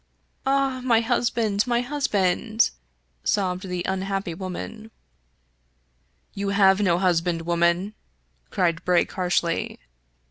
" Ah ! my husband, my husband !" sobbed the unhappy woman. " You have no husband, woman," cried Brake harshly.